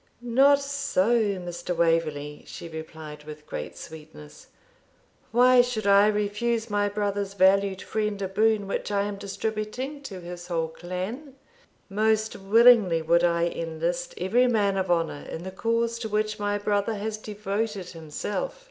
'Not so, Mr. Waverley,' she replied, with great sweetness. 'Why should I refuse my brother's valued friend a boon which I am distributing to his whole clan? Most willingly would I enlist every man of honour in the cause to which my brother has devoted himself.